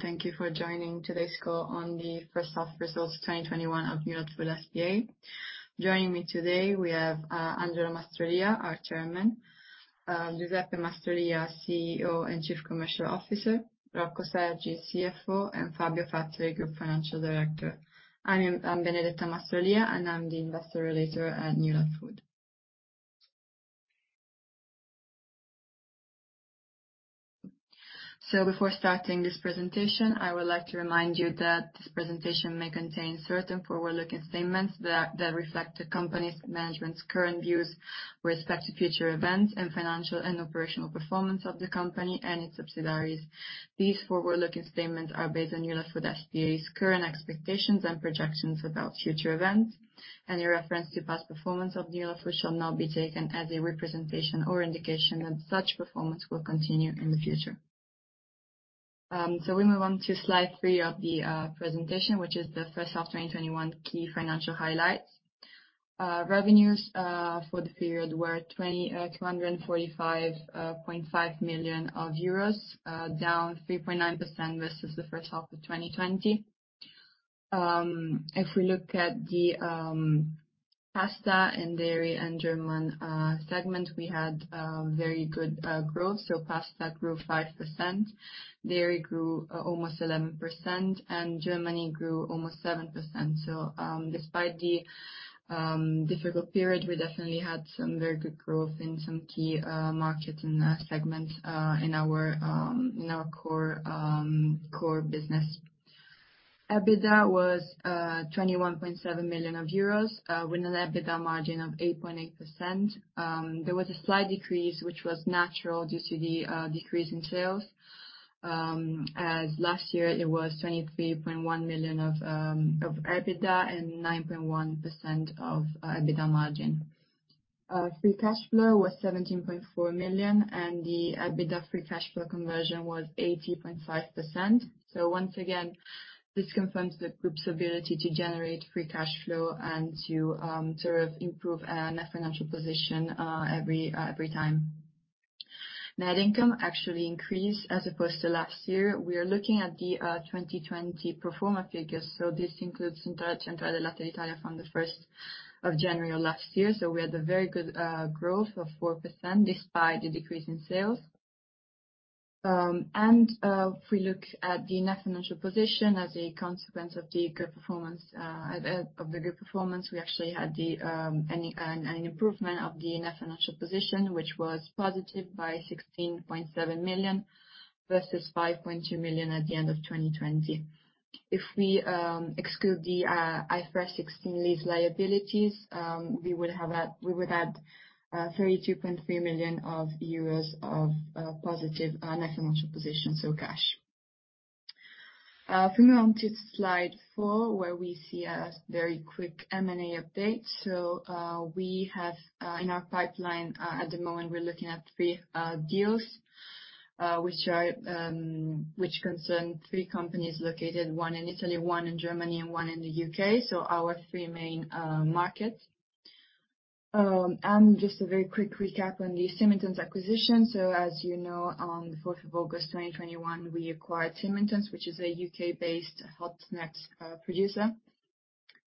Thank you for joining today's call on the First Half Results 2021 of Newlat Food S.p.A. Joining me today, we have Angelo Mastrolia, our Chairman, Giuseppe Mastrolia, CEO and Chief Commercial Officer, Rocco Sergi, CFO, and Fabio Fazzari, Group Financial Director. I'm Benedetta Mastrolia, and I'm the Investor Relator at Newlat Food. Before starting this presentation, I would like to remind you that this presentation may contain certain forward-looking statements that reflect the company's management's current views with respect to future events and financial and operational performance of the company and its subsidiaries. These forward-looking statements are based on Newlat Food S.p.A.'s current expectations and projections about future events, any reference to past performance of Newlat Food shall not be taken as a representation or indication that such performance will continue in the future. We move on to slide three of the presentation, which is the first half 2021 key financial highlights. Revenues for the period were 245.5 million euros, down 3.9% versus the first half of 2020. We look at the pasta and dairy and German segment, we had very good growth. Pasta grew 5%, dairy grew almost 11%, and Germany grew almost 7%. Despite the difficult period, we definitely had some very good growth in some key markets and segments in our core business. EBITDA was 21.7 million euros, with an EBITDA margin of 8.8%. There was a slight decrease, which was natural due to the decrease in sales. Last year it was 23.1 million of EBITDA and 9.1% of EBITDA margin. Free cash flow was 17.4 million, and the EBITDA free cash flow conversion was 80.5%. Once again, this confirms the group's ability to generate free cash flow and to sort of improve net financial position every time. Net income actually increased as opposed to last year. We are looking at the 2020 pro forma figures. This includes Centrale del Latte d'Italia from the 1st of January last year. We had a very good growth of 4% despite the decrease in sales. If we look at the net financial position as a consequence of the group performance, we actually had an improvement of the net financial position, which was positive by 16.7 million versus 5.2 million at the end of 2020. If we exclude the IFRS 16 lease liabilities, we would add 32.3 million euros of positive net financial position, so cash. If we move on to slide four, where we see a very quick M&A update. We have in our pipeline, at the moment, we're looking at three deals, which concern three companies located one in Italy, one in Germany and one in the U.K. Our three main markets. Just a very quick recap on the Symington's acquisition. As you know, on the 4th of August 2021, we acquired Symington's, which is a U.K.-based hot snacks producer.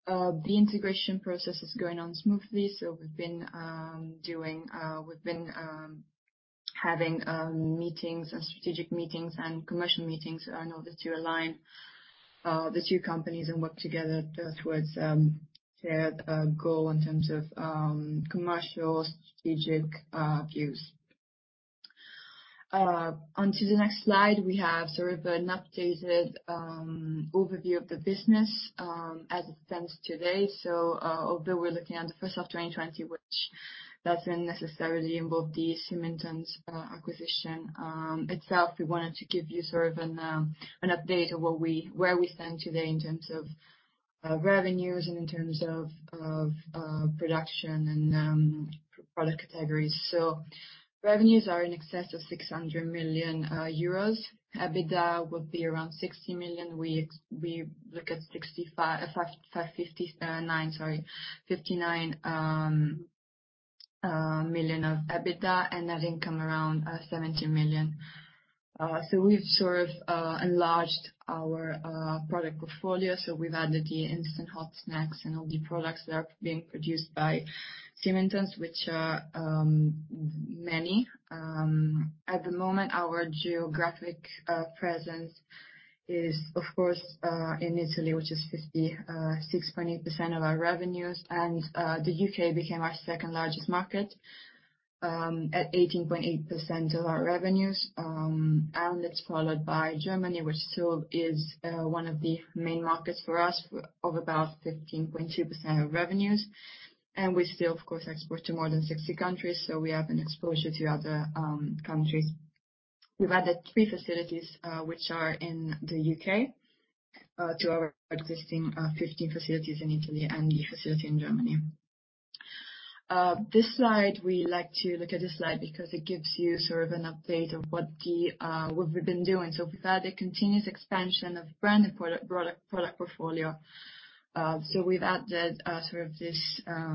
The integration process is going on smoothly. We've been having meetings and strategic meetings and commercial meetings in order to align the two companies and work together towards shared goal in terms of commercial, strategic views. On to the next slide, we have sort of an updated overview of the business, as it stands today. Although we're looking at the first half 2020, which doesn't necessarily involve the Symington's acquisition itself, we wanted to give you sort of an update of where we stand today in terms of revenues and in terms of production and product categories. Revenues are in excess of 600 million euros. EBITDA would be around 60 million. We look at 59 million of EBITDA and net income around 17 million. We've sort of enlarged our product portfolio. We've added the instant hot snacks and all the products that are being produced by Symington's, which are many. At the moment, our geographic presence is, of course, in Italy, which is 56.8% of our revenues. The U.K. became our second-largest market, at 18.8% of our revenues. It's followed by Germany, which still is one of the main markets for us of about 15.2% of revenues. We still, of course, export to more than 60 countries. We have an exposure to other countries. We've added three facilities, which are in the U.K., to our existing 15 facilities in Italy and the facility in Germany. We like to look at this slide because it gives you sort of an update of what we've been doing. We've had a continuous expansion of brand and product portfolio. We've added the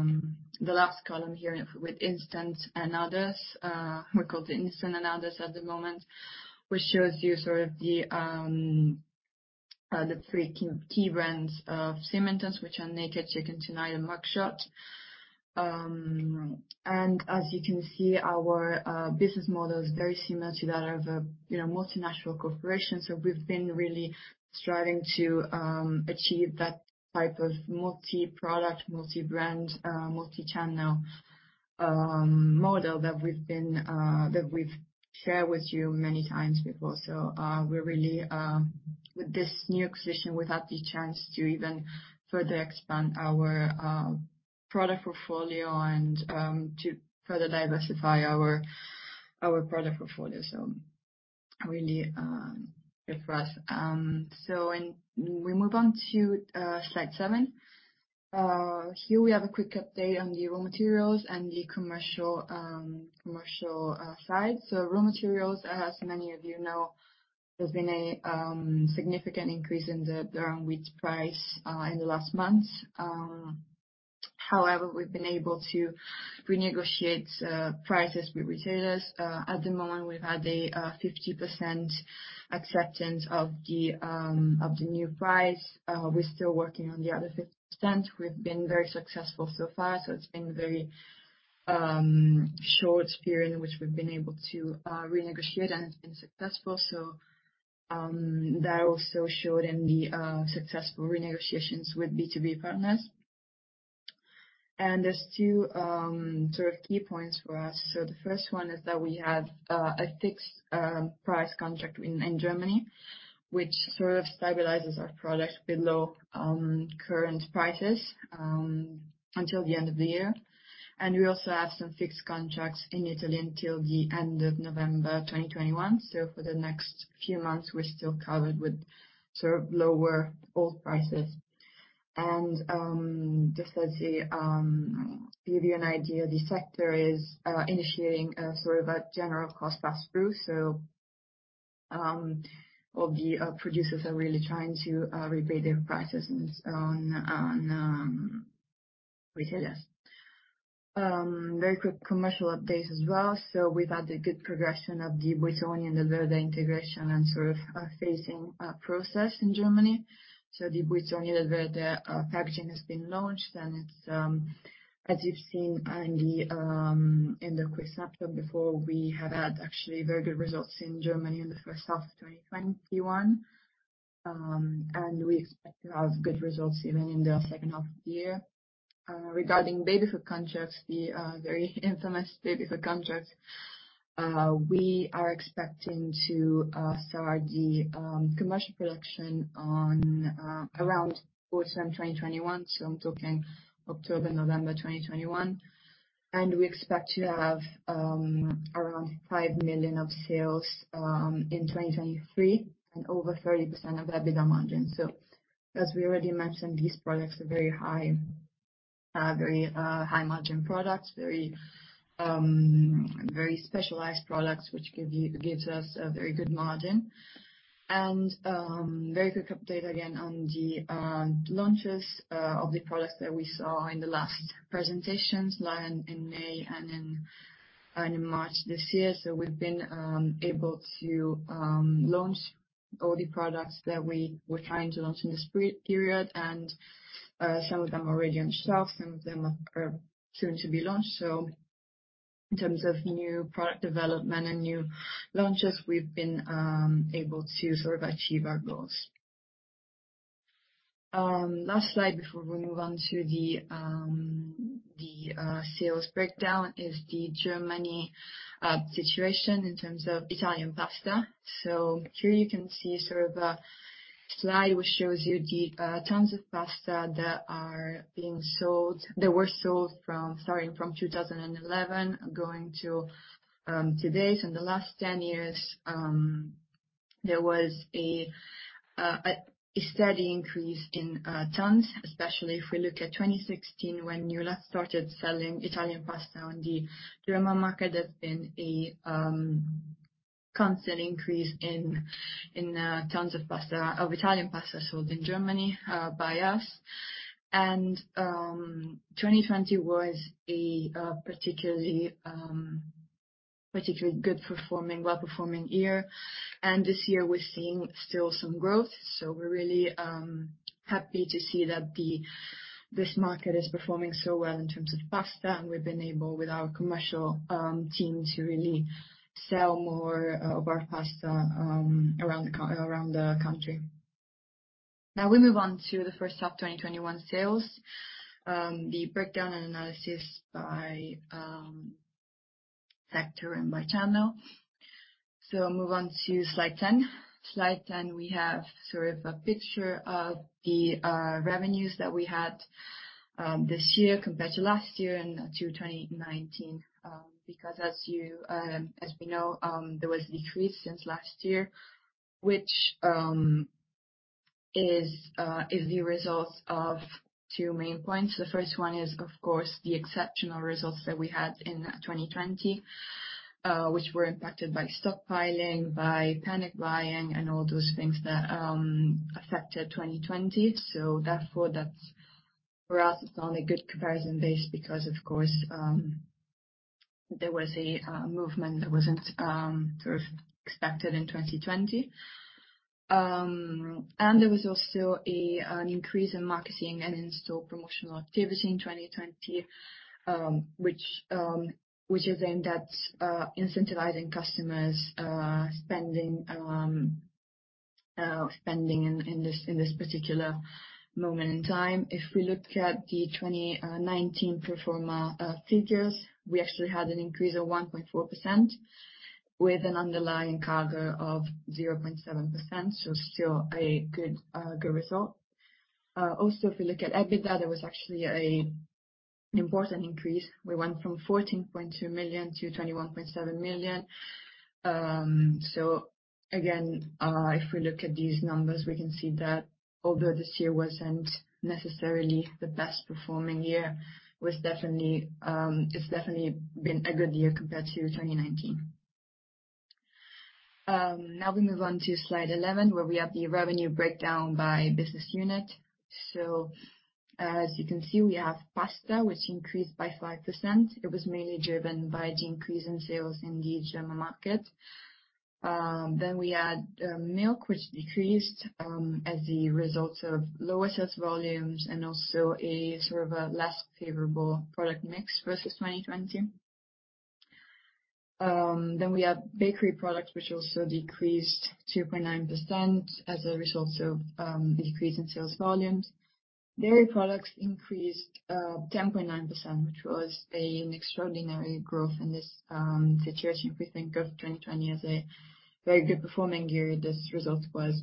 last column here with instant and others. We call it the instant and others at the moment, which shows you the three key brands of Symington's, which are Naked, Chicken Tonight, and Mug Shot. As you can see, our business model is very similar to that of a multinational corporation. We've been really striving to achieve that type of multi-product, multi-brand, multi-channel model that we've shared with you many times before. With this new acquisition, we've had the chance to even further expand our product portfolio and to further diversify our product portfolio. Really good for us. When we move on to slide seven. Here we have a quick update on the raw materials and the commercial side. Raw materials, as many of you know, there's been a significant increase in the wheat price in the last month. However, we've been able to renegotiate prices with retailers. At the moment, we've had a 50% acceptance of the new price. We're still working on the other 50%. We've been very successful so far, it's been a very short period in which we've been able to renegotiate and been successful. That also showed in the successful renegotiations with B2B partners. There's two key points for us. The first one is that we have a fixed price contract in Germany, which sort of stabilizes our products below current prices until the end of the year. We also have some fixed contracts in Italy until the end of November 2021. For the next few months, we're still covered with lower old prices. Just as a give you an idea, the sector is initiating a general cost pass-through. All the producers are really trying to reprice their prices on retailers. Very quick commercial updates as well. We've had a good progression of the Buitoni and Delverde integration and phasing process in Germany. The Buitoni and Delverde packaging has been launched, and as you've seen in the quick snapshot before, we have had actually very good results in Germany in the first half of 2021. We expect to have good results even in the second half of the year. Regarding baby food contracts, the very infamous baby food contracts, we are expecting to start the commercial production around autumn 2021. I'm talking October, November 2021. We expect to have around 5 million of sales in 2023, and over 30% of EBITDA margin. As we already mentioned, these products are very high margin products, very specialized products, which gives us a very good margin. Very quick update again on the launches of the products that we saw in the last presentations live in May and in March this year. We've been able to launch all the products that we were trying to launch in this period, and some of them are already on shelf, some of them are soon to be launched. In terms of new product development and new launches, we've been able to achieve our goals. Last slide before we move on to the sales breakdown is the Germany situation in terms of Italian pasta. Here you can see a slide which shows you the tons of pasta that were sold from starting from 2011 going to date. In the last 10 years, there was a steady increase in tons, especially if we look at 2016, when Newlat started selling Italian pasta on the German market. There's been a constant increase in tons of Italian pasta sold in Germany by us. 2020 was a particularly good-performing, well-performing year. This year we're seeing still some growth. We're really happy to see that this market is performing so well in terms of pasta, and we've been able, with our commercial team, to really sell more of our pasta around the country. We move on to the first half 2021 sales. The breakdown and analysis by sector and by channel. Move on to slide 10. Slide 10, we have sort of a picture of the revenues that we had this year compared to last year and to 2019. As we know, there was a decrease since last year, which is the result of two main points. The first one is, of course, the exceptional results that we had in 2020, which were impacted by stockpiling, by panic buying and all those things that affected 2020. Therefore, for us, it's only a good comparison base because, of course, there was a movement that wasn't expected in 2020. There was also an increase in marketing and in-store promotional activity in 2020, which is aimed at incentivizing customers spending in this particular moment in time. If we look at the 2019 pro forma figures, we actually had an increase of 1.4% with an underlying CAGR of 0.7%, still a good result. If we look at EBITDA, there was actually an important increase. We went from 14.2 million to 21.7 million. Again, if we look at these numbers, we can see that although this year wasn't necessarily the best performing year, it's definitely been a good year compared to 2019. Now we move on to slide 11, where we have the revenue breakdown by business unit. As you can see, we have pasta, which increased by 5%. It was mainly driven by the increase in sales in the German market. We had milk, which decreased as the result of lower sales volumes and also a less favorable product mix versus 2020. We have bakery products, which also decreased 2.9% as a result of decrease in sales volumes. Dairy products increased 10.9%, which was an extraordinary growth in this situation. If we think of 2020 as a very good performing year, this result was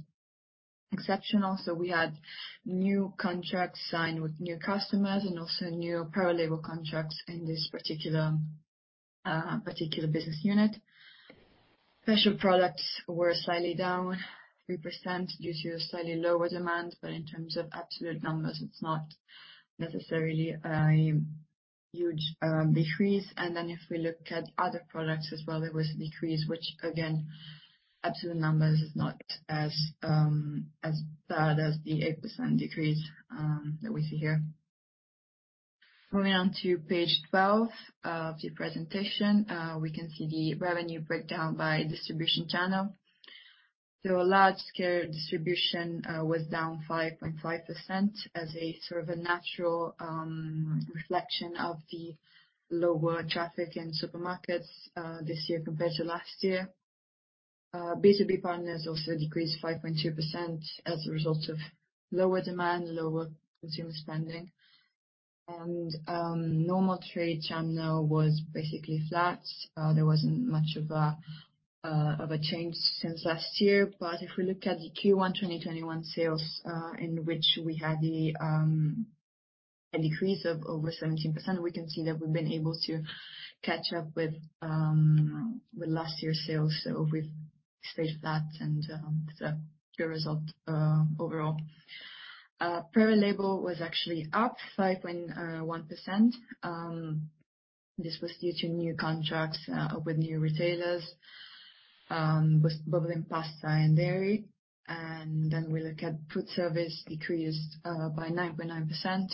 exceptional. We had new contracts signed with new customers and also new private label contracts in this particular business unit. Special products were slightly down 3% due to a slightly lower demand, but in terms of absolute numbers, it is not necessarily a huge decrease. If we look at other products as well, there was a decrease, which again, absolute numbers is not as bad as the 8% decrease that we see here. Moving on to page 12 of the presentation, we can see the revenue breakdown by distribution channel. Large scale distribution was down 5.5% as a natural reflection of the lower traffic in supermarkets this year compared to last year. B2B partners also decreased 5.2% as a result of lower demand, lower consumer spending. Normal trade channel was basically flat. There wasn't much of a change since last year. If we look at the Q1 2021 sales, in which we had a decrease of over 17%, we can see that we've been able to catch up with last year's sales. We've stayed flat and it's a good result overall. Private label was actually up 5.1%. This was due to new contracts with new retailers, both in pasta and dairy. Then we look at food service, decreased by 9.9%.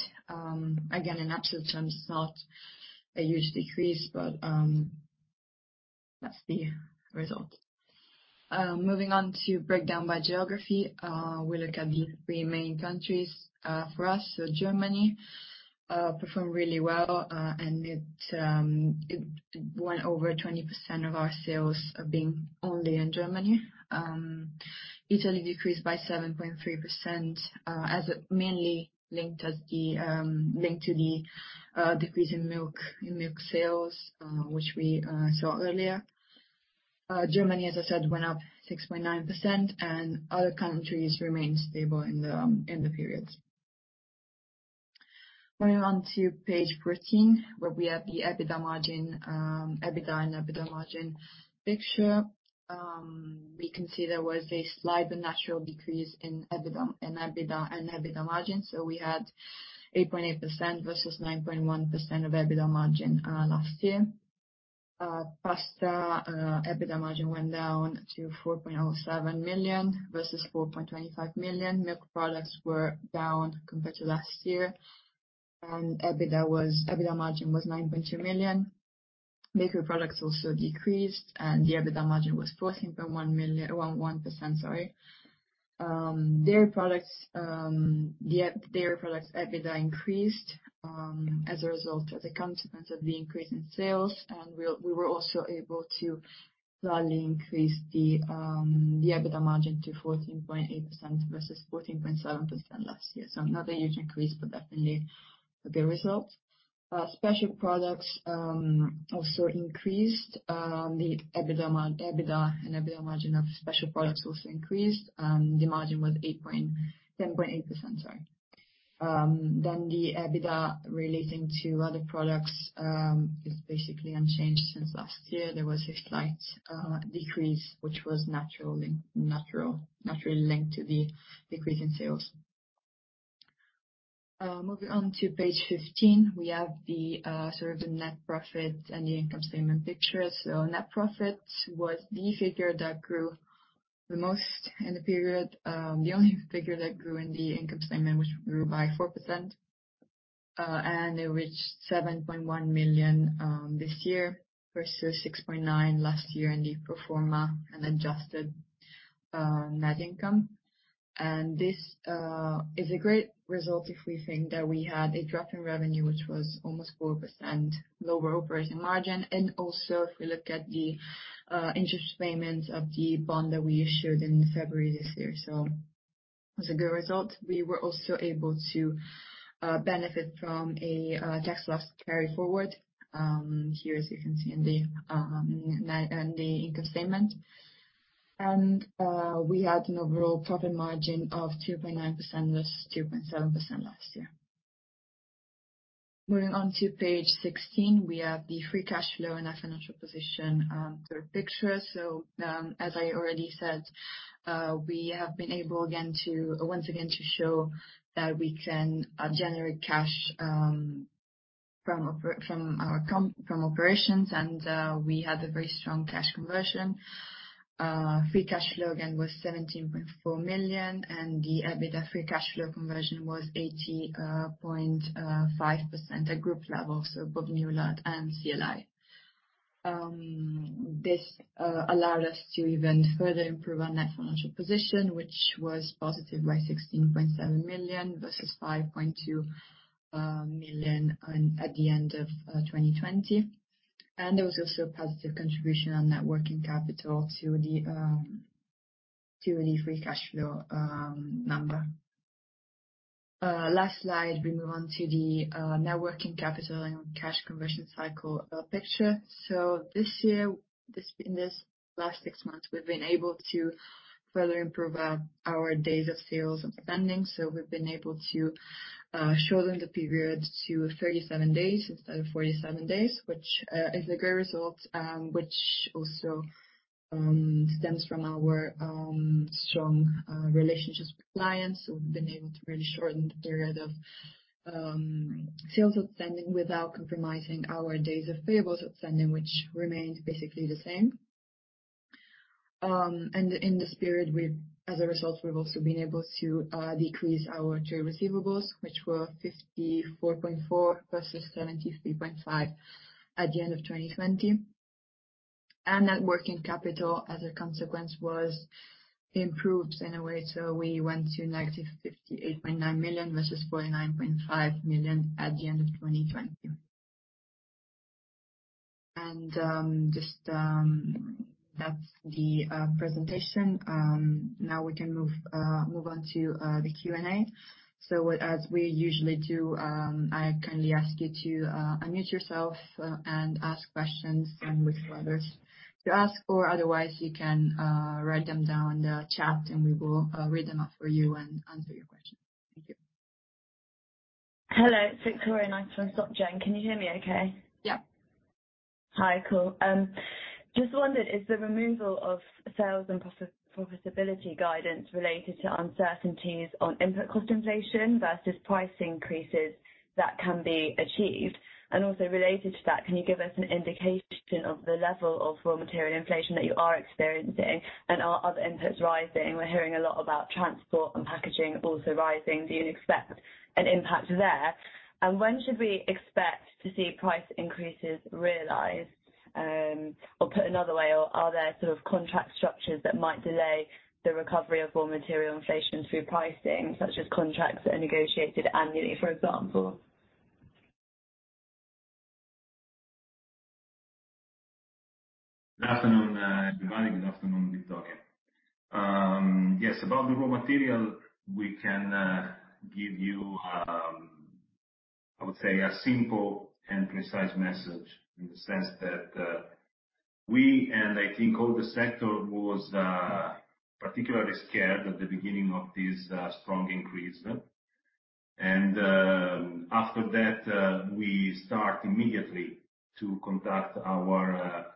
Again, in absolute terms, it's not a huge decrease, but that's the result. Moving on to breakdown by geography. We look at the three main countries for us. Germany performed really well. It went over 20% of our sales being only in Germany. Italy decreased by 7.3%, as mainly linked to the decrease in milk sales, which we saw earlier. Germany, as I said, went up 6.9% and other countries remained stable in the period. Moving on to page 14, where we have the EBITDA and EBITDA margin picture. We can see there was a slight but natural decrease in EBITDA and EBITDA margin, so we had 8.8% versus 9.1% of EBITDA margin last year. Pasta EBITDA margin went down to 4.07 million versus 4.25 million. Milk products were down compared to last year, and EBITDA margin was 9.2 million. Bakery products also decreased, and the EBITDA margin was 14.1%. Dairy products EBITDA increased as a result of the consequence of the increase in sales, and we were also able to slightly increase the EBITDA margin to 14.8% versus 14.7% last year. Not a huge increase, but definitely a good result. Special products also increased the EBITDA and EBITDA margin of special products also increased. The margin was 10.8%. The EBITDA relating to other products is basically unchanged since last year. There was a slight decrease, which was naturally linked to the decrease in sales. Moving on to page 15, we have the net profit and the income statement picture. Net profit was the figure that grew the most in the period. The only figure that grew in the income statement, which grew by 4%, it reached 7.1 million this year versus 6.9 million last year in the pro forma and adjusted net income. This is a great result if we think that we had a drop in revenue, which was almost 4% lower operating margin, and also if we look at the interest payments of the bond that we issued in February this year. It was a good result. We were also able to benefit from a tax loss carry forward, here as you can see in the income statement. We had an overall profit margin of 2.9% versus 2.7% last year. Moving on to page 16, we have the free cash flow and our financial position picture. As I already said, we have been able once again to show that we can generate cash from operations, and we had a very strong cash conversion. Free cash flow again was 17.4 million, and the EBITDA free cash flow conversion was 80.5% at group level, so both Newlat and CLI. This allowed us to even further improve our net financial position, which was positive by 16.7 million versus 5.2 million at the end of 2020. There was also a positive contribution on net working capital to the free cash flow number. Last slide, we move on to the net working capital and cash conversion cycle picture. This year, in these last six months, we've been able to further improve our days of sales and spending. We've been able to shorten the period to 37 days instead of 47 days, which is a great result, which also stems from our strong relationships with clients, who've been able to really shorten the period of sales outstanding without compromising our days of payables outstanding, which remains basically the same. In this period, as a result, we've also been able to decrease our trade receivables, which were 54.4 versus 73.5 at the end of 2020. Net working capital, as a consequence, was improved in a way. We went to negative 58.9 million versus 49.5 million at the end of 2020. That's the presentation. Now we can move on to the Q&A. As we usually do, I kindly ask you to unmute yourself and ask questions, and wait for others to ask or otherwise you can write them down in the chat and we will read them out for you and answer your questions. Thank you. Hello, it's Victoria Nice from SocGen. Can you hear me okay? Yep. Hi, cool. Just wondered, is the removal of sales and profitability guidance related to uncertainties on input cost inflation versus price increases that can be achieved? Also related to that, can you give us an indication of the level of raw material inflation that you are experiencing, and are other inputs rising? We're hearing a lot about transport and packaging also rising. Do you expect an impact there? When should we expect to see price increases realized? Put another way, are there sort of contract structures that might delay the recovery of raw material inflation through pricing, such as contracts that are negotiated annually, for example? Good afternoon, everybody. Good afternoon, Victoria. Yes, about the raw material, we can give you, I would say a simple and precise message in the sense that we, and I think all the sector, was particularly scared at the beginning of this strong increase. After that, we start immediately to contact our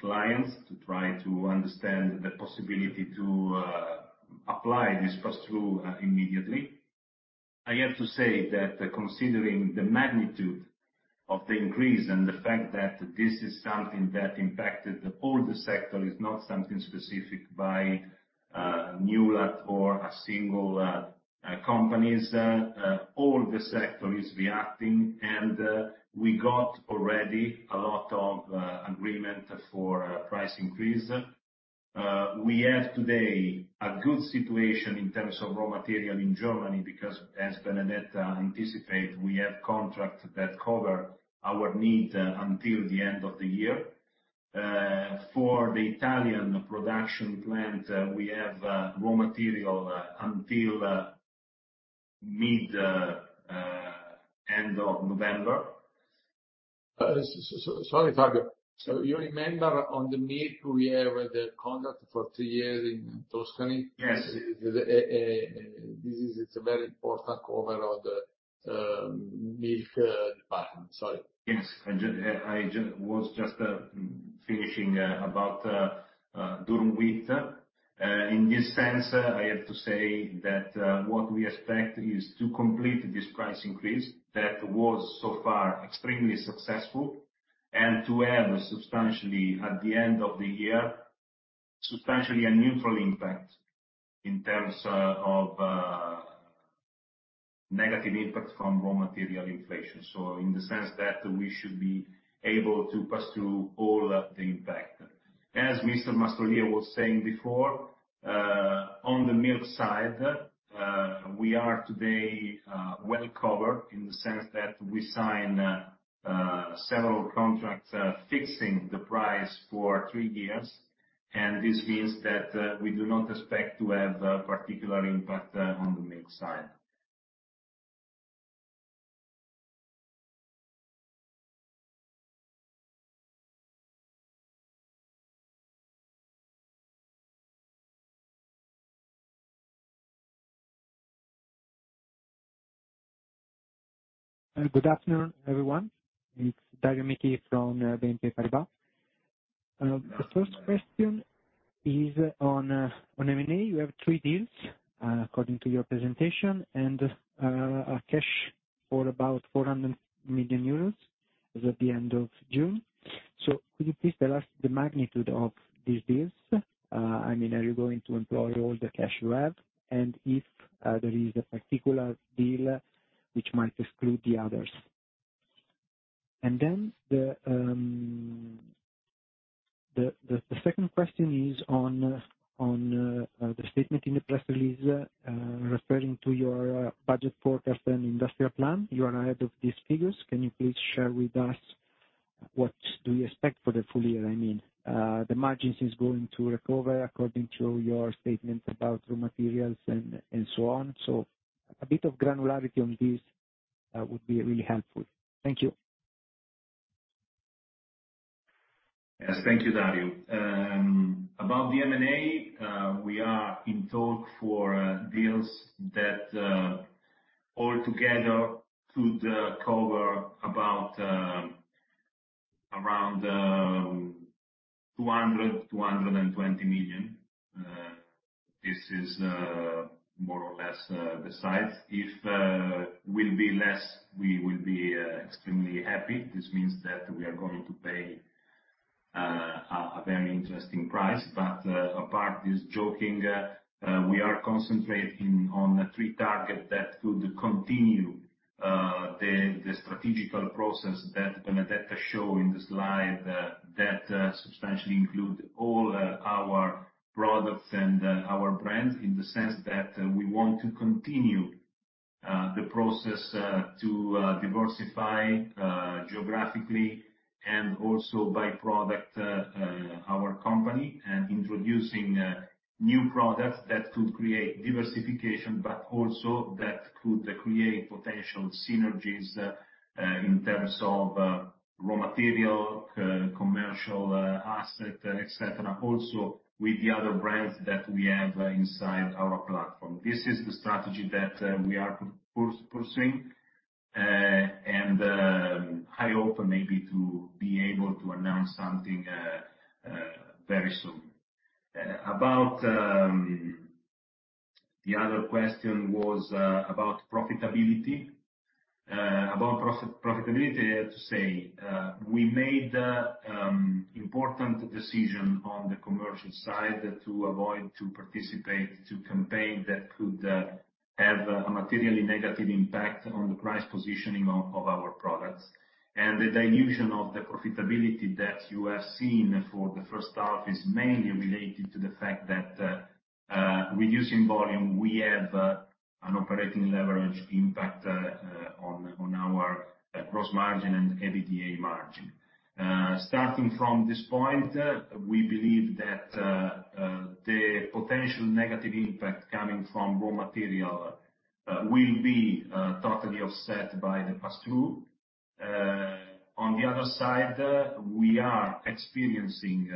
clients to try to understand the possibility to apply this pass-through immediately. I have to say that considering the magnitude of the increase and the fact that this is something that impacted all the sector, it's not something specific by Newlat or a single company. All the sector is reacting, and we got already a lot of agreement for price increase. We have today a good situation in terms of raw material in Germany because, as Benedetta anticipate, we have contracts that cover our needs until the end of the year. For the Italian production plant, we have raw material until mid, end of November. Sorry, Fabio. You remember on the milk, we have the contract for two years in Tuscany? Yes. This is a very important cover on the milk department. Sorry. Yes. I was just finishing about durum wheat. In this sense, I have to say that what we expect is to complete this price increase that was so far extremely successful, and to have, at the end of the year, substantially a neutral impact in terms of negative impact from raw material inflation. In the sense that we should be able to pass through all the impact. As Mr. Mastrolia was saying before, on the milk side, we are today well covered in the sense that we sign several contracts fixing the price for three years, this means that we do not expect to have a particular impact on the milk side. Good afternoon, everyone. It is Dario Michi from BNP Paribas. The first question is on M&A. You have three deals according to your presentation, and cash for about 400 million euros as at the end of June. Could you please tell us the magnitude of these deals? Are you going to employ all the cash you have, and if there is a particular deal which might exclude the others? The second question is on the statement in the press release referring to your budget forecast and industrial plan. You are ahead of these figures. Can you please share with us what do you expect for the full year? The margins is going to recover according to your statement about raw materials and so on. A bit of granularity on this would be really helpful. Thank you. Yes. Thank you, Dario. About the M&A, we are in talk for deals that all together could cover about around 200 million, 220 million. This is more or less the size. If will be less, we will be extremely happy. This means that we are going to pay a very interesting price. Apart this joking, we are concentrating on three target that could continue the strategical process that Benedetta show in the slide that substantially include all our products and our brands, in the sense that we want to continue the process to diversify geographically and also by product our company, and introducing new products that could create diversification, but also that could create potential synergies in terms of raw material, commercial asset, et cetera. Also, with the other brands that we have inside our platform. This is the strategy that we are pursuing. I hope maybe to be able to announce something very soon. The other question was about profitability. About profitability, I have to say, we made important decision on the commercial side to avoid to participate to campaign that could have a materially negative impact on the price positioning of our products. The dilution of the profitability that you have seen for the first half is mainly related to the fact that reducing volume, we have an operating leverage impact on our gross margin and EBITDA margin. Starting from this point, we believe that the potential negative impact coming from raw material will be totally offset by the pass-through. On the other side, we are experiencing,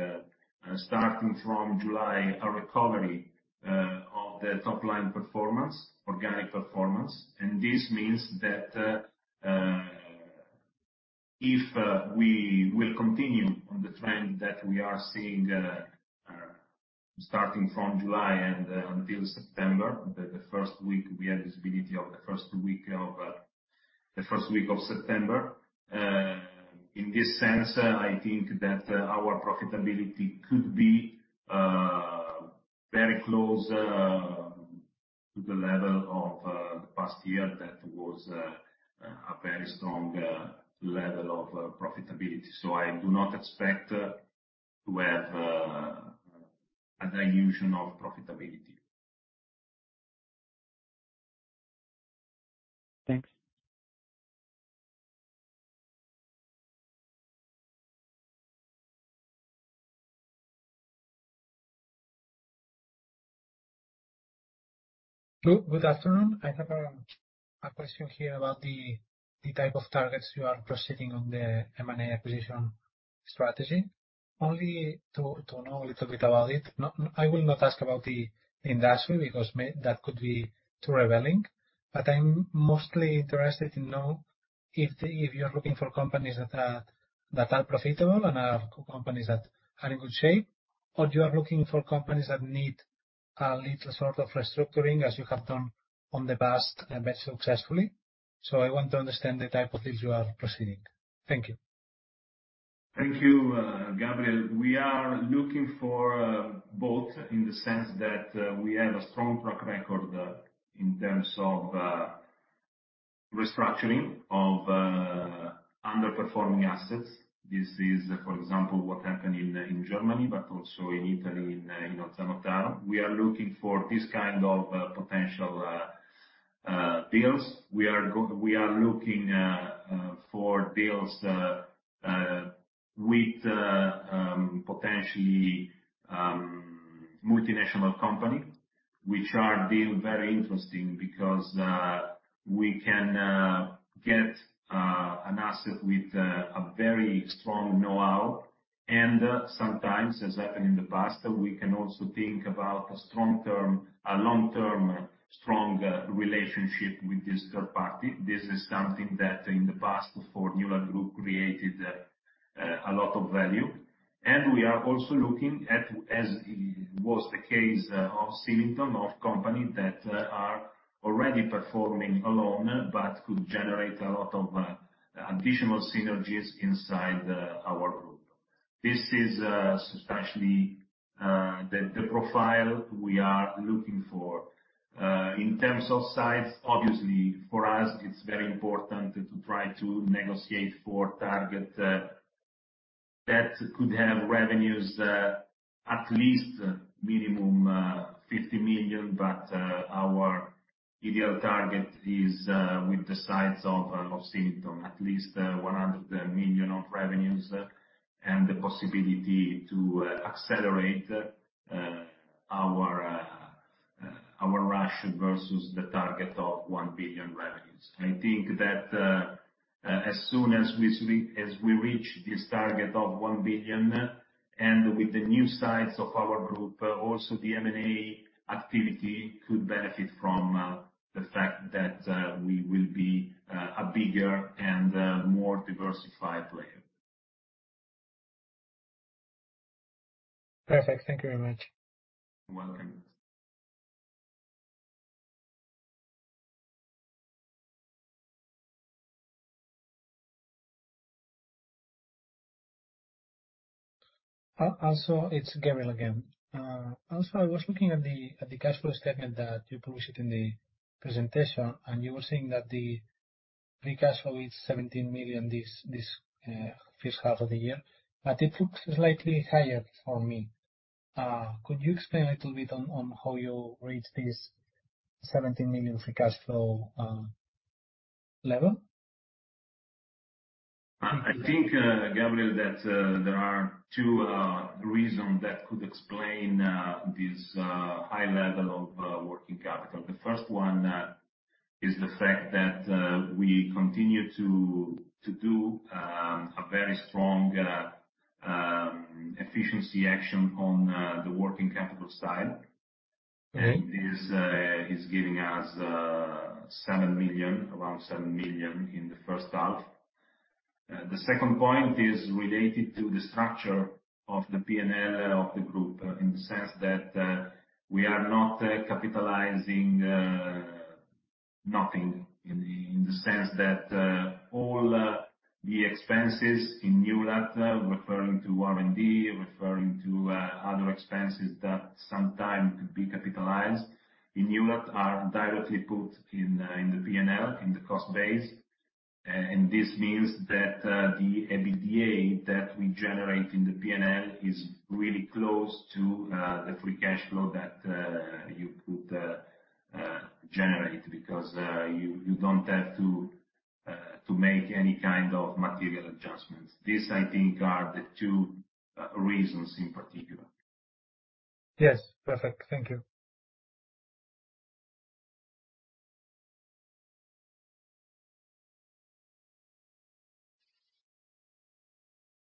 starting from July, a recovery of the top line performance, organic performance. This means that if we will continue on the trend that we are seeing starting from July and until September, the first week, we have visibility of the first week of September. In this sense, I think that our profitability could be very close to the level of the past year that was a very strong level of profitability. I do not expect to have a dilution of profitability. Thanks. Good afternoon. I have a question here about the type of targets you are proceeding on the M&A acquisition strategy. Only to know a little bit about it. I will not ask about the industry, because that could be too revealing. I'm mostly interested to know if you are looking for companies that are profitable and are companies that are in good shape, or you are looking for companies that need a little sort of restructuring, as you have done in the past very successfully. I want to understand the type of deals you are proceeding. Thank you. Thank you, Gabriel. We are looking for both, in the sense that we have a strong track record in terms of restructuring of underperforming assets. This is, for example, what happened in Germany, but also in Italy, in Ozzano Taro. We are looking for this kind of potential deals. We are looking for deals with potentially multinational company, which are being very interesting because we can get an asset with a very strong know-how, and sometimes, as happened in the past, we can also think about a long-term, strong relationship with this third party. This is something that, in the past, for Newlat Group created a lot of value. We are also looking at, as was the case of Symington's, of companies that are already performing alone but could generate a lot of additional synergies inside our group. This is especially the profile we are looking for. In terms of size, obviously, for us, it is very important to try to negotiate for a target that could have revenues at least minimum 50 million, but our ideal target is with the size of Symington's, at least 100 million of revenues, and the possibility to accelerate our rush versus the target of 1 billion revenues. I think that as soon as we reach this target of 1 billion, and with the new size of our group, also the M&A activity could benefit from the fact that we will be a bigger and more diversified player. Perfect. Thank you very much. You're welcome. It's Gabriel again. I was looking at the cash flow statement that you published in the presentation, and you were saying that the free cash flow is 17 million this first half of the year, but it looks slightly higher for me. Could you explain a little bit on how you reached this 17 million free cash flow level? I think, Gabriel, that there are two reasons that could explain this high level of working capital. The first one is the fact that we continue to do a very strong efficiency action on the working capital side. Okay. It's giving us around 7 million in the first half. The second point is related to the structure of the P&L of the group, in the sense that we are not capitalizing nothing, in the sense that all the expenses in Newlat, referring to R&D, referring to other expenses that sometimes could be capitalized in Newlat, are directly put in the P&L, in the cost base. This means that the EBITDA that we generate in the P&L is really close to the free cash flow that you could generate because you don't have to make any kind of material adjustments. These I think are the two reasons in particular. Yes. Perfect. Thank you.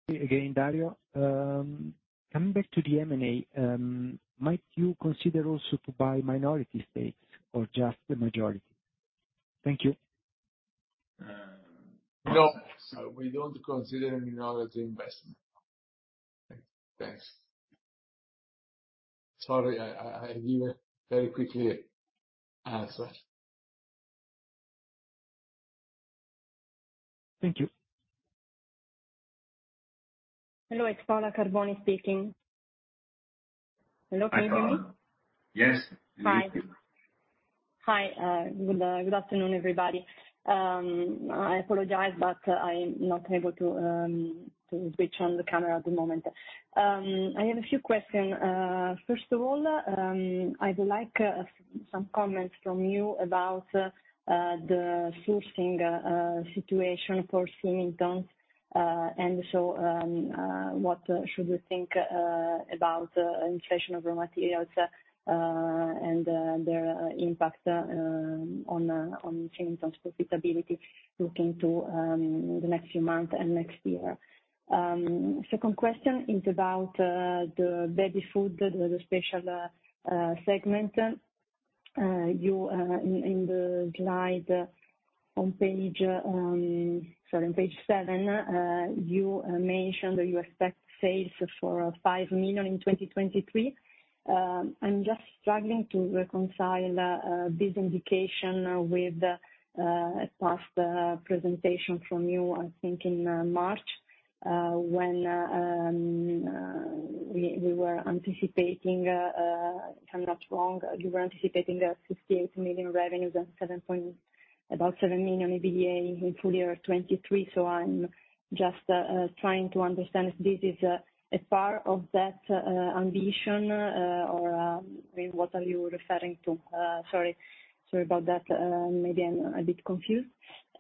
Again, Dario. Coming back to the M&A, might you consider also to buy minority stakes or just the majority? Thank you. No, we don't consider minority investment. Thanks. Sorry, I give a very quick answer. Thank you. Hello. It's Paola Carboni speaking. Hello, can you hear me? Hi, Paola. Yes. Hi. Good afternoon, everybody. I apologize, but I'm not able to switch on the camera at the moment. I have a few questions. First of all, I would like some comments from you about the sourcing situation for Symington's. What should we think about inflation of raw materials, and their impact on Symington's profitability looking to the next few months and next year? Second question is about the baby food, the special segment. In the slide on page seven, you mentioned that you expect sales for 5 million in 2023. I'm just struggling to reconcile this indication with past presentation from you, I think in March, when we were anticipating, if I'm not wrong, you were anticipating that 68 million revenues and about 7 million EBITDA in full year 2023. I'm just trying to understand if this is a part of that ambition or what are you referring to? Sorry about that. Maybe I'm a bit confused.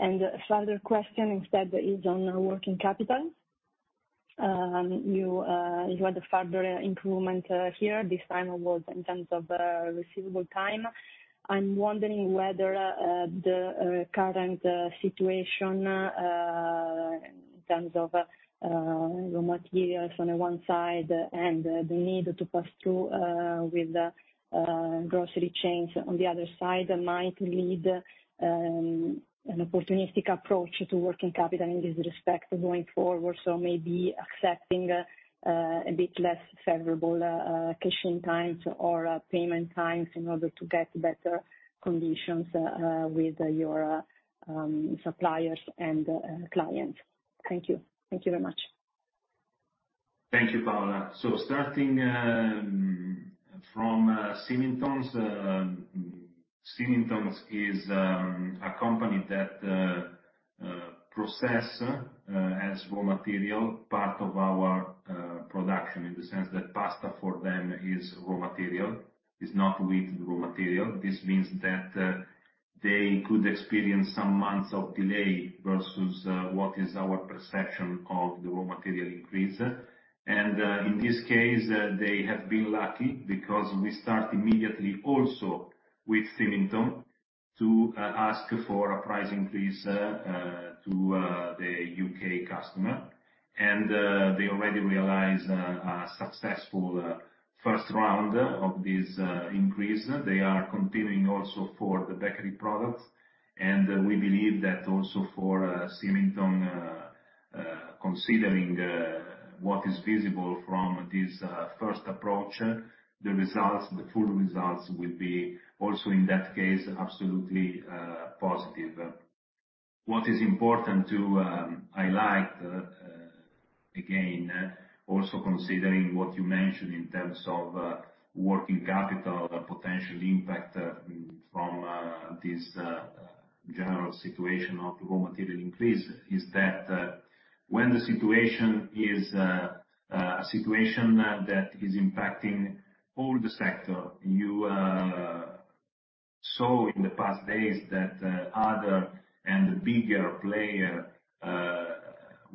A further question instead is on working capital. You had a further improvement here this time in terms of receivable time. I'm wondering whether the current situation, in terms of raw materials on one side and the need to pass-through with grocery chains on the other side, might lead an opportunistic approach to working capital in this respect going forward. Maybe accepting a bit less favorable cash in times or payment times in order to get better conditions with your suppliers and clients. Thank you. Thank you very much. Thank you, Paola. Starting from Symington's. Symington's is a company that process as raw material part of our production, in the sense that pasta for them is raw material, is not wheat raw material. This means that they could experience some months of delay versus what is our perception of the raw material increase. In this case, they have been lucky because we start immediately also with Symington's to ask for a price increase to the U.K. customer. They already realized a successful first round of this increase. They are continuing also for the bakery products. We believe that also for Symington's, considering what is feasible from this first approach, the full results will be also in that case, absolutely positive. What is important to highlight, again, also considering what you mentioned in terms of working capital, the potential impact from this general situation of raw material increase, is that when the situation is a situation that is impacting all the sector. You saw in the past days that other and bigger player,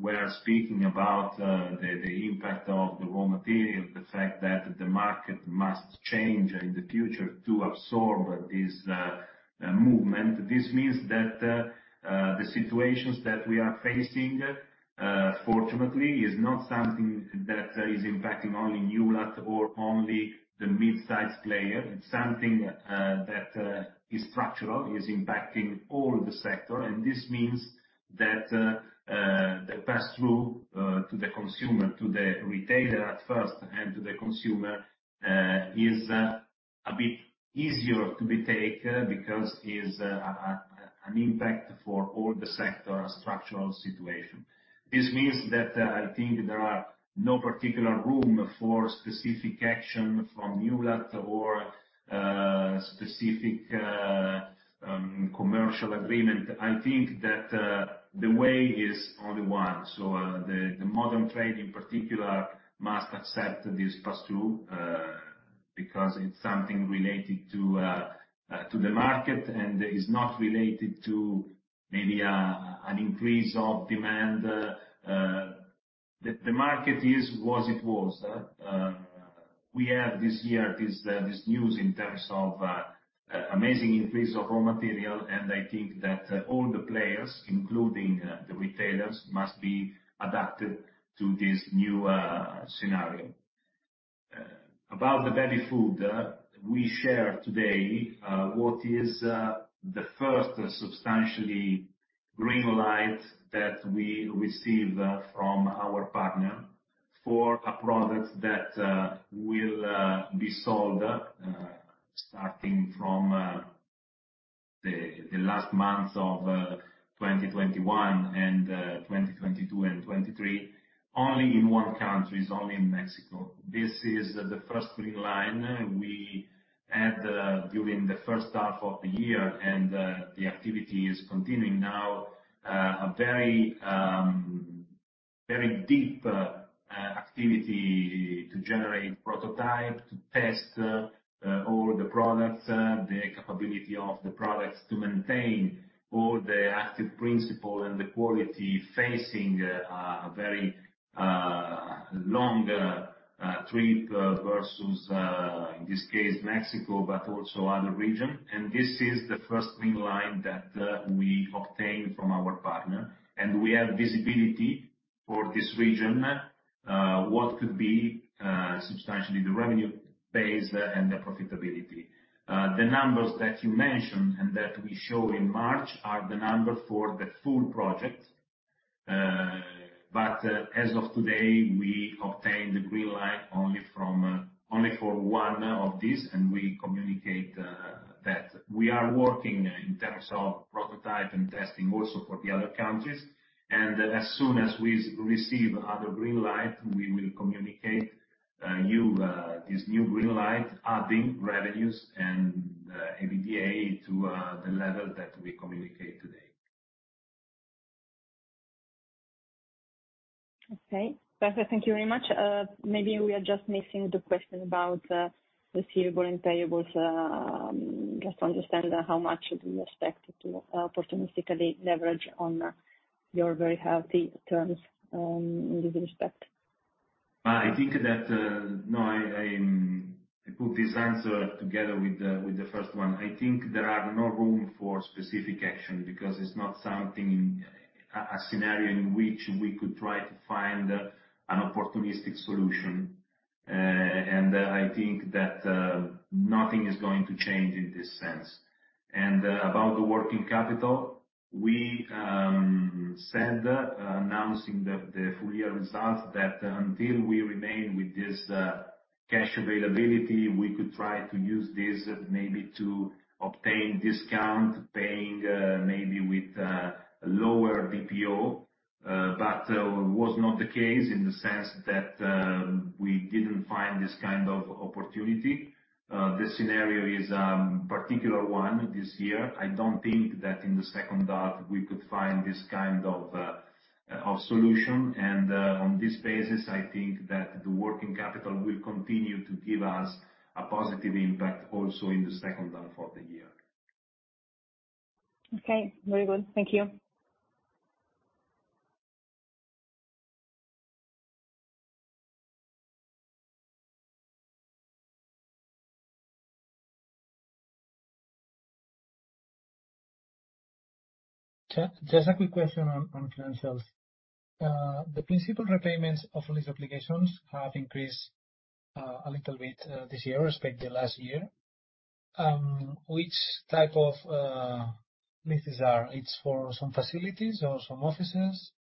were speaking about the impact of the raw material, the fact that the market must change in the future to absorb this movement. This means that the situations that we are facing, fortunately, is not something that is impacting only Newlat or only the mid-size player. It's something that is structural, is impacting all the sector. This means that the pass-through to the retailer at first, and to the consumer, is a bit easier to be taken because is an impact for all the sector, a structural situation. This means that I think there are no particular room for specific action from Newlat or specific commercial agreement. I think that the way is only one. The modern trade in particular must accept this pass-through, because it's something related to the market and is not related to maybe an increase of demand. The market is what it was. We have this year, this news in terms of amazing increase of raw material, and I think that all the players, including the retailers, must be adapted to this new scenario. About the baby food, we share today what is the first substantially green light that we receive from our partner for a product that will be sold starting from the last months of 2021 and 2022 and 2023, only in one country, only in Mexico. This is the first green light we had during the first half of the year. The activity is continuing now. A very deep activity to generate prototype, to test all the products, the capability of the products to maintain all the active principle and the quality facing a very longer trip versus, in this case, Mexico, but also other region. This is the first green light that we obtain from our partner. We have visibility for this region. What could be substantially the revenue base and the profitability. The numbers that you mentioned and that we show in March are the number for the full project. As of today, we obtained the green light only for one of these. We communicate that we are working in terms of prototype and testing also for the other countries. As soon as we receive other green light, we will communicate this new green light adding revenues and EBITDA to the level that we communicate today. Okay. Perfect. Thank you very much. Maybe we are just missing the question about the receivable and payables, just to understand how much we expect to opportunistically leverage on your very healthy terms in this respect. I put this answer together with the first one. I think there are no room for specific action because it's not a scenario in which we could try to find an opportunistic solution. I think that nothing is going to change in this sense. About the working capital, we said, announcing the full year results, that until we remain with this cash availability, we could try to use this maybe to obtain discount, paying maybe with lower DPO. Was not the case in the sense that we didn't find this kind of opportunity. This scenario is a particular one this year. I don't think that in the second half we could find this kind of solution. On this basis, I think that the working capital will continue to give us a positive impact also in the second half of the year. Okay. Very good. Thank you. Just a quick question on financials. The principal repayments of lease obligations have increased a little bit this year compared to last year. Which type of leases are it's for? Some facilities or some offices?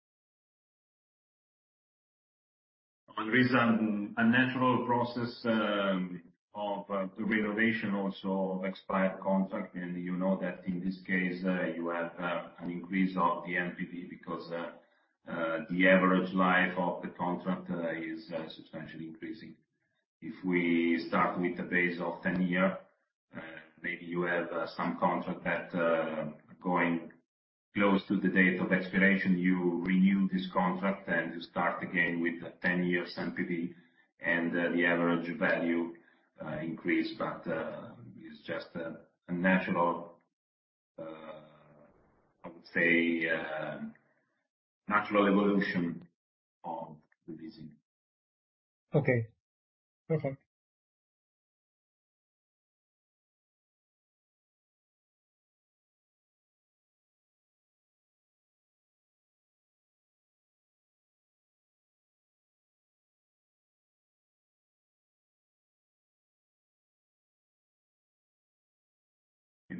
There is a natural process of the renovation also of expired contract, and you know that in this case you have an increase of the NPV because the average life of the contract is substantially increasing. If we start with the base of 10-year, maybe you have some contract that going close to the date of expiration, you renew this contract and you start again with the 10-year NPV, and the average value increase, but it's just, I would say, natural evolution of the leasing. Okay. Perfect.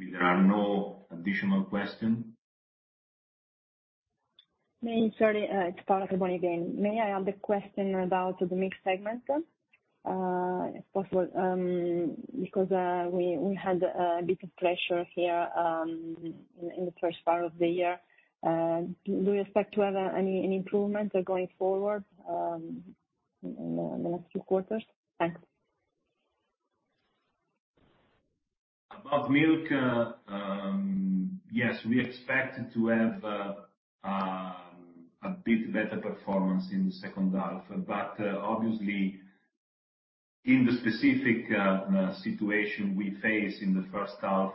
Maybe there are no additional question. Sorry. It's Paola Carboni again. May I add a question about the milk segment, if possible, because we had a bit of pressure here in the first part of the year. Do you expect to have any improvement going forward in the next few quarters? Thanks. About milk, yes, we expect to have a bit better performance in the second half. Obviously, in the specific situation we face in the first half,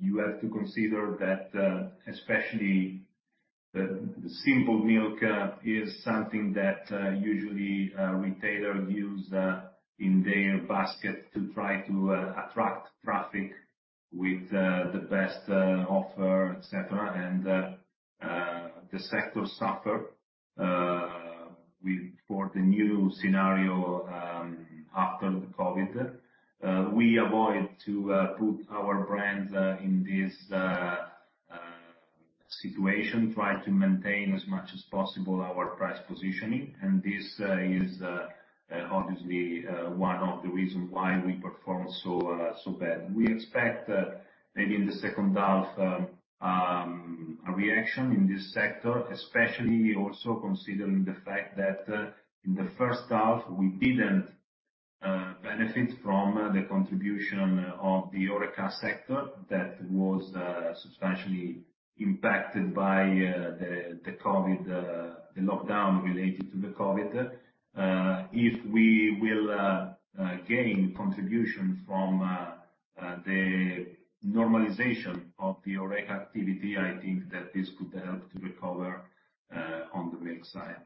you have to consider that, especially the simple milk, is something that usually retailers use in their basket to try to attract traffic with the best offer, et cetera. The sector suffered from the new scenario after the COVID. We avoided putting our brands in this situation, try to maintain as much as possible our price positioning. This is obviously one of the reasons why we performed so badly. We expect maybe in the second half, a reaction in this sector, especially also considering the fact that in the first half, we didn't benefit from the contribution of the HoReCa sector that was substantially impacted by the lockdown related to the COVID. If we will gain contribution from the normalization of the HoReCa activity, I think that this could help to recover on the milk side.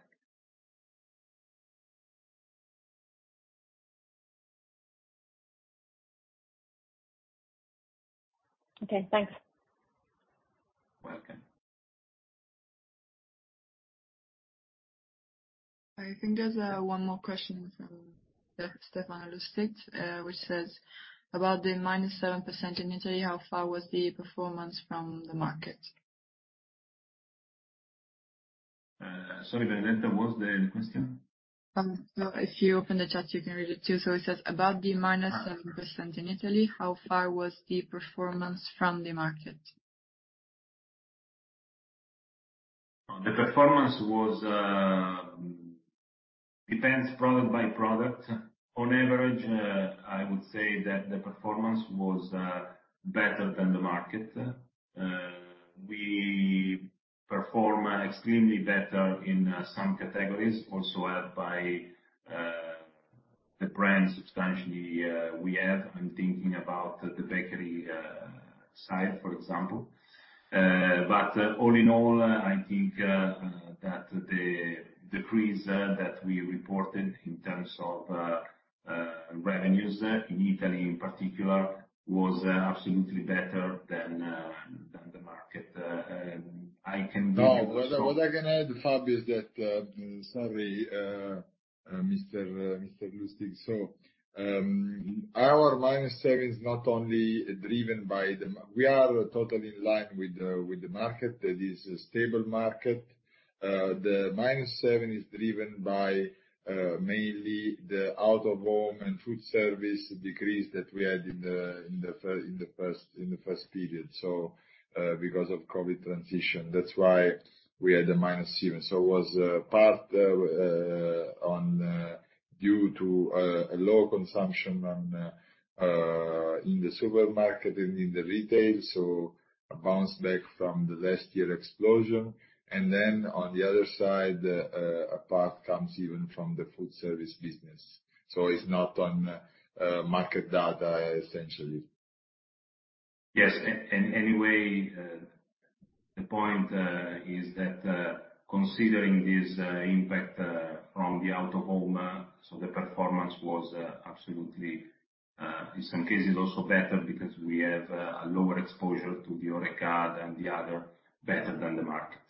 Okay, thanks. Welcome. I think there's one more question from Stefano Lustig, which says, "About the -7% in Italy, how far was the performance from the market? Sorry, Benedetta, what's the question? If you open the chat, you can read it too. It says, "About the -7% in Italy, how far was the performance from the market? The performance depends product by product. On average, I would say that the performance was better than the market. We perform extremely better in some categories, also helped by the brand substantially we have. I am thinking about the bakery side, for example. All in all, I think that the decrease that we reported in terms of revenues in Italy in particular, was absolutely better than the market. No. What I can add, Fabio, is that Sorry, Mr. Lustig. Our -7 is not only driven by. We are totally in line with the market. It is a stable market. The -7 is driven by mainly the out-of-home and food service decrease that we had in the first period, because of COVID transition. That's why we had the -7. It was part due to a low consumption in the supermarket and in the retail, so a bounce back from the last year explosion. On the other side, a part comes even from the food service business. It's not on market data, essentially. Yes. The point is that considering this impact from the out-of-home, the performance was absolutely, in some cases, also better because we have a lower exposure to the HoReCa and the other better than the markets.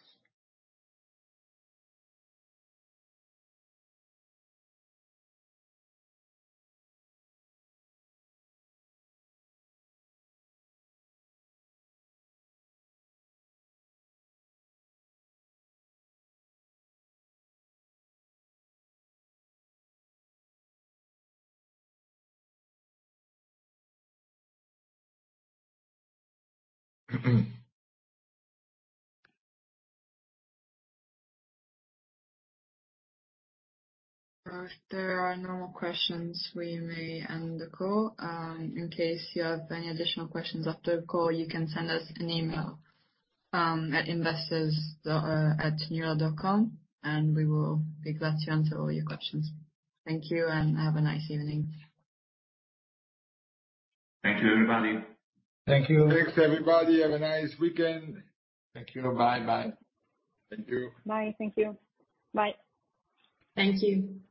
If there are no more questions, we may end the call. In case you have any additional questions after the call, you can send us an email at investors@newlat.com, and we will be glad to answer all your questions. Thank you, and have a nice evening. Thank you, everybody. Thank you. Thanks, everybody. Have a nice weekend. Thank you. Bye. Thank you. Bye. Thank you. Bye.